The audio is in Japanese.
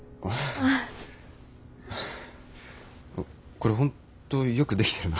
これ本当よく出来てるな。